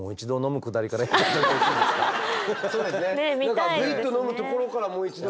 何かグイッと飲むところからもう一度。